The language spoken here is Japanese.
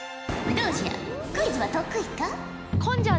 どうじゃクイズは得意か？